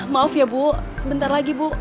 maaf ya bu sebentar lagi bu